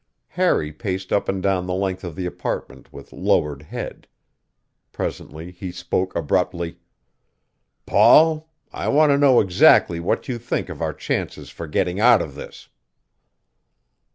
Harry paced up and down the length of the apartment with lowered head. Presently he spoke abruptly: "Paul, I want to know exactly what you think of our chances for getting out of this."